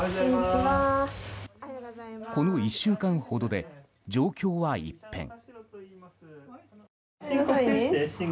この１週間ほどで状況は一変。